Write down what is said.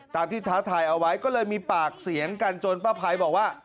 ตามที่ท้าทายเอาไว้ก็เลยมีปากเสียงกันจนป้าภัยบอกว่า